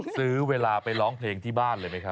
ซื้อเวลาไปร้องเพลงที่บ้านเลยไหมครับ